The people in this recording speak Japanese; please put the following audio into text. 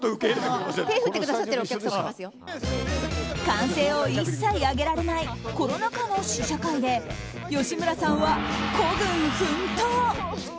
歓声を一切上げられないコロナ禍の試写会で吉村さんは孤軍奮闘。